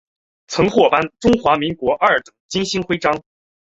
曾获颁中华民国二等景星勋章。